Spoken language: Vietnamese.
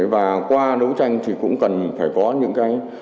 và qua đấu tranh thì cũng cần phải có những cái